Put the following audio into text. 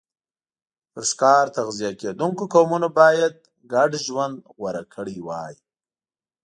پر ښکار تغذیه کېدونکو قومونو باید ګډ ژوند غوره کړی وای